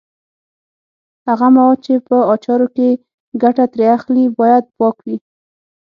هغه مواد چې په اچارو کې ګټه ترې اخلي باید پاک وي.